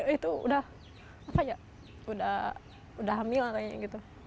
itu udah apa ya udah hamil kayaknya gitu